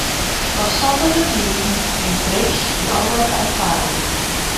Gosododd y dyn ei ddryll i orwedd ar y clawdd.